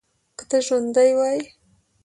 که ته ژوندی وای.